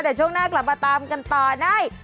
แต่ช่วงหน้ากลับมาตามกันต่อใน